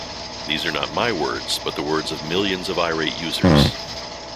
These are not my words, but the words of millions of irate users.